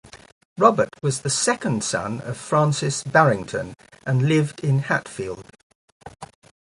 Robert was the second son of Francis Barrington and lived in Hatfield.